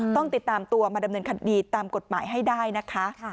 ต้องติดตามตัวมาดำเนินคดีตามกฎหมายให้ได้นะคะ